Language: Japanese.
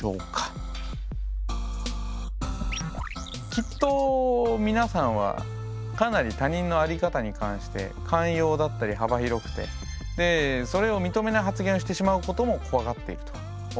きっと皆さんはかなり他人の在り方に関して寛容だったり幅広くてでそれを認めない発言をしてしまうことも怖がっていると思うんです。